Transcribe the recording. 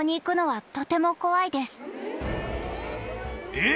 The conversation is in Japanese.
［えっ？